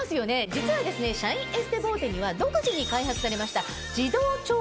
実はシャインエステボーテには独自に開発されました。